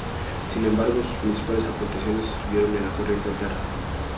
Sin embargo, sus principales aportaciones estuvieron en la corriente alterna.